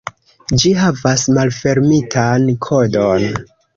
Ĝi havas malfermitan kodon.